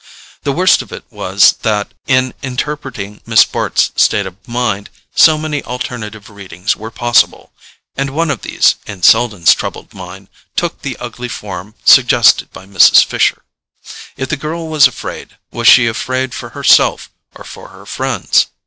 The worst of it was that, in interpreting Miss Bart's state of mind, so many alternative readings were possible; and one of these, in Selden's troubled mind, took the ugly form suggested by Mrs. Fisher. If the girl was afraid, was she afraid for herself or for her friends?